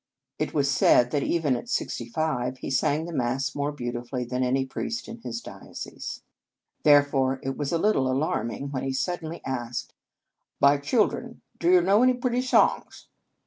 It was said that, even at sixty five, he sang the Mass more beautifully than any priest in his diocese. Therefore it was a little alarming when he sud denly asked :" My children, do you know any pretty songs